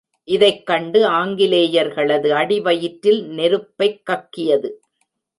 இதைக் கண்டு ஆங்கிலேயர்களது அடிவயிற்றில் நெருப்பைக் கக்கியது.